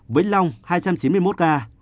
vĩnh long hai trăm chín mươi một ca